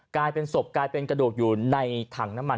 กลายเป็นศพกลายเป็นกระดูกอยู่ในถังน้ำมัน